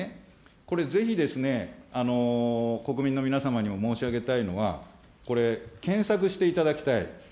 これ、ぜひですね、国民の皆様にも申し上げたいのは、これ、検索していただきたい。